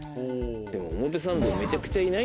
でも表参道めちゃくちゃいない？